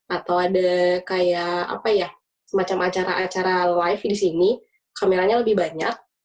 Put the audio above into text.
atau ada kayak apa ya semacam acara acara live di sini kameranya lebih banyak